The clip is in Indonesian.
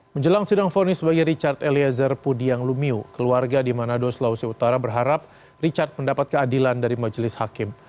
menjelang sidang fonis bagi richard eliezer pudiang lumiu keluarga di manado sulawesi utara berharap richard mendapat keadilan dari majelis hakim